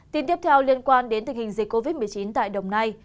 tin tiếp theo liên quan đến tình hình dịch covid một mươi chín tại đồng nai